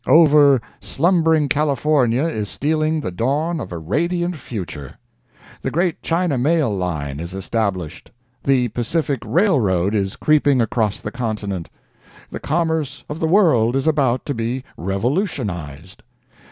Over slumbering California is stealing the dawn of a radiant future! The great China Mail Line is established, the Pacific Railroad is creeping across the continent, the commerce of the world is about to be revolutionized.